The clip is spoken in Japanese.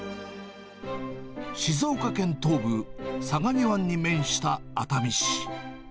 静岡県東部、相模湾に面した熱海市。